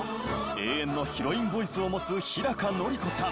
永遠のヒロインボイスを持つ日のり子さん